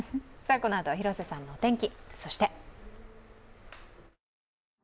このあとは広瀬さんのお天気。